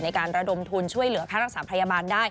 ในการระดมทุนช่วยเหลือค่ารักษาพยาบาลได้